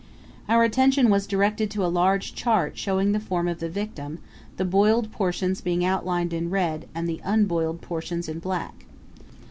Our attention was directed to a large chart showing the form of the victim, the boiled portions being outlined in red and the unboiled portions in black.